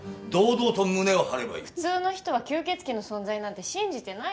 普通の人は吸血鬼の存在なんて信じてないから。